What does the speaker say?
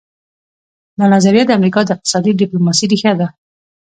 دا نظریه د امریکا د اقتصادي ډیپلوماسي ریښه ده